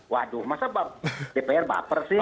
waduh masa dpr baper sih